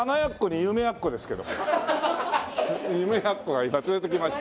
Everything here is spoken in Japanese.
夢やっこは今連れてきました。